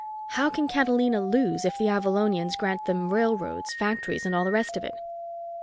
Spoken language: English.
"How can Catalina lose if the Avalonians grant them railroads, factories and all the rest of it?"